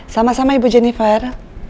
sama sama ibu jennifer